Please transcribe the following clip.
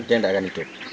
dia tidak akan hidup